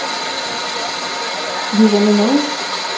Do I Wanna Know?